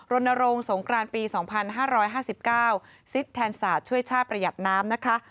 รณรงค์สงครานปี๒๕๕๙ซิดแทนศาสตร์ช่วยชาติประหยัดน้ำนะคะ